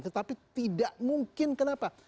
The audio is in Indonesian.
tetapi tidak mungkin kenapa